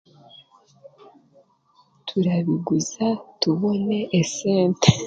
Turabiguza tubone esente